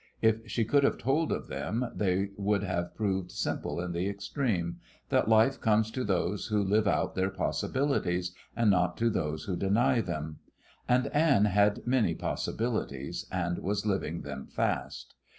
If she could have told of them, they would have proved simple in the extreme that life comes to those who live out their possibilities, and not to those who deny them. And Anne had many possibilities, and was living them fast.